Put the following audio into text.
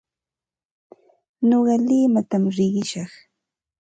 Nuqa limatam riqishaq.